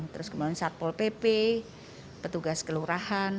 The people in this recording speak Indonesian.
terus kemudian satpol pp petugas kelurahan